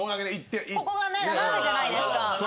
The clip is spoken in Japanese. ここが斜めじゃないですか。